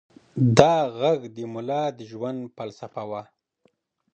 دا غږ د ملا د ژوند فلسفه وه.